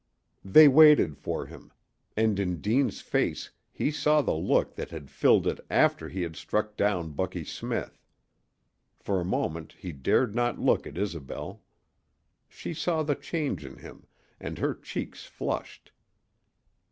They waited for him, and in Deane's face he saw the look that had filled it after he had struck down Bucky Smith. For a moment he dared not look at Isobel. She saw the change in him, and her cheeks flushed.